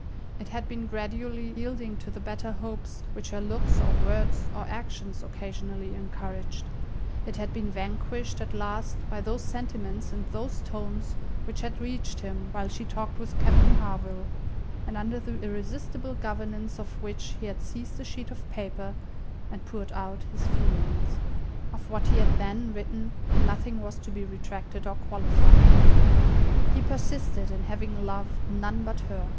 It had been gradually yielding to the better hopes which her looks, or words, or actions occasionally encouraged; it had been vanquished at last by those sentiments and those tones which had reached him while she talked with Captain Harville; and under the irresistible governance of which he had seized a sheet of paper, and poured out his feelings. Of what he had then written, nothing was to be retracted or qualified. He persisted in having loved none but her.